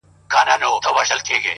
ځي له وطنه خو په هر قدم و شاته ګوري،